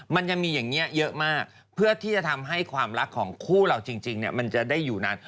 มันยังมีอย่างนี้เยอะมากเพื่อที่จะทำให้ความรักของคู่เราจริงมันจะได้อยู่นาน